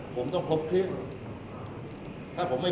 ฮอร์โมนถูกต้องไหม